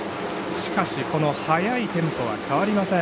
しかし、この速いテンポは変わりません。